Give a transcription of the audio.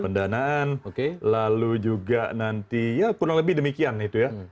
pendanaan lalu juga nanti ya kurang lebih demikian itu ya